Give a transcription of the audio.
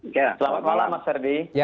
selamat malam mas serdi